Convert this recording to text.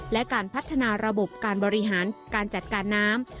และการพัฒนาระบบการบริหารการจัดการน้ำ